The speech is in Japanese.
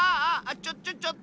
ちょちょちょっと！